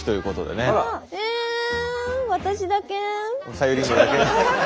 さゆりんごだけ。